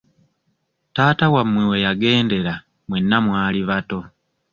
Taata wamwe we yagendera mwenna mwali bato.